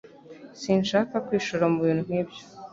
Sinshaka kwishora mubintu nkibyo